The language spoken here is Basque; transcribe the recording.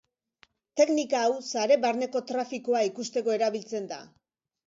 Teknika hau sare barneko trafikoa ikusteko erabiltzen da.